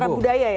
secara budaya ya